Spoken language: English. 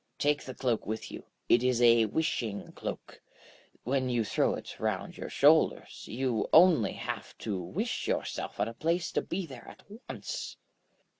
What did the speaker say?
Take the cloak with you, it is a wishing cloak. When you throw it round your shoulders you only have to wish yourself at a place to be there at once.